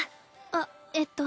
あっえっと。